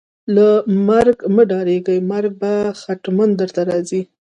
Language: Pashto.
له مرګ مه ډاریږئ ، مرګ به ختمن درته راځي